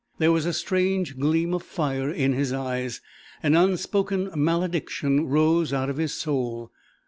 There was a strange gleam of fire in his eyes. An unspoken malediction rose out of his soul.